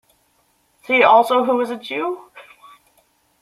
See also Who is a Jew?